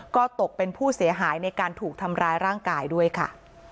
ก็ตกเป็นผู้เสียหายในการถูกทำร้ายร่างกายด้วยค่ะ